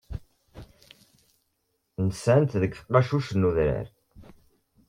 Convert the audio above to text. Nsant deg tqacuct n udrar.